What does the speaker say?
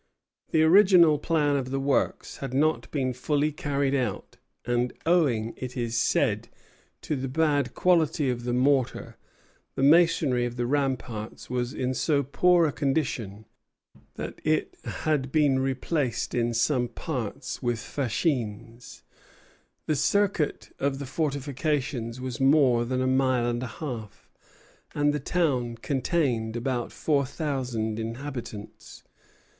The original plan of the works had not been fully carried out; and owing, it is said, to the bad quality of the mortar, the masonry of the ramparts was in so poor a condition that it had been replaced in some parts with fascines. The circuit of the fortifications was more than a mile and a half, and the town contained about four thousand inhabitants.